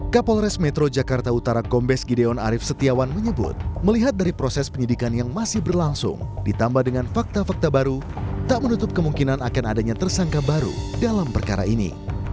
kapolres metro jakarta utara kombes gideon arief setiawan menyebut melihat dari proses penyidikan yang masih berlangsung ditambah dengan fakta fakta baru tak menutup kemungkinan akan adanya tersangka baru dalam perkara ini